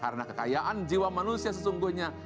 karena kekayaan jiwa manusia sesungguhnya